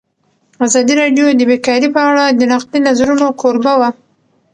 ازادي راډیو د بیکاري په اړه د نقدي نظرونو کوربه وه.